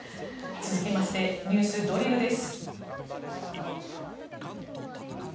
続きましてＮＥＷＳドリルです。